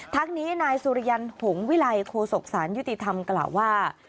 ทั้งนี้นายสุริยันหงวิลัยโคศกสารยุติธรรมกล่าวว่า